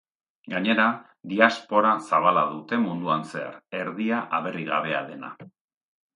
Gainera, diaspora zabala dute munduan zehar, erdia aberrigabea dena.